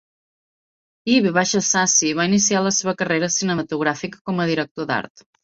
I. V. Sasi va iniciar la seva carrera cinematogràfica com a director d'art.